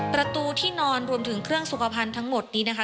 ประตูที่นอนรวมถึงเครื่องสุขภัณฑ์ทั้งหมดนี้นะคะ